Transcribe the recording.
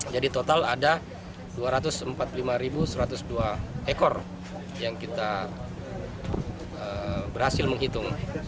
total ada dua ratus empat puluh lima satu ratus dua ekor yang kita berhasil menghitung